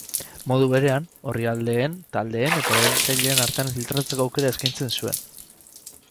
Modu berean, orrialdeen, taldeen eta erabiltzaileen artean filtratzeko aukera eskaintzen zuen.